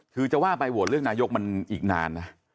คือจะว่าไปโหวตเลือกนายกมันอีกนานนะ